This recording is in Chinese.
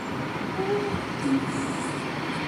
中国鼩鼹为鼹科鼩鼹属的动物。